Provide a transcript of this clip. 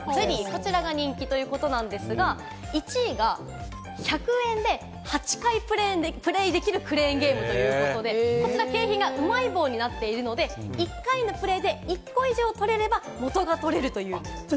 こちらが人気ということなんですが、１位が１００円で８回プレイできるクレーンゲームということで、こちら景品はうまい棒になっているので、１回のプレイで１個以上取れれば、元が取れるということなんです。